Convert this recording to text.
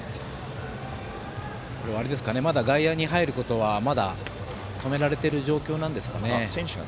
まだ外野に入ることは止められている状況なんですかね。